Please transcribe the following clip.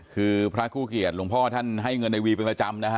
คือพระคู่เกียรติหลวงพ่อท่านให้เงินในวีเป็นประจำนะฮะ